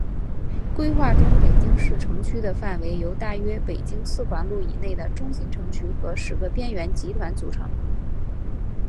规划中北京市城区的范围由大约北京四环路以内的中心城区和十个边缘集团组成。